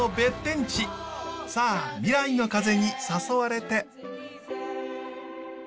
さあ未来の風に誘われて。